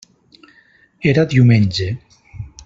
Era diumenge.